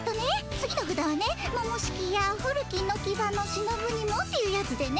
次のふだはね「ももしきやふるきのきばのしのぶにも」っていうやつでね